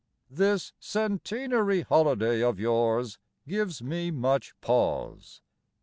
This "Cen_teen_ary" holiday of yours Gives me much pause.